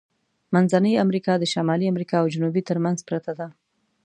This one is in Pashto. منځنۍ امریکا د شمالی امریکا او جنوبي ترمنځ پرته ده.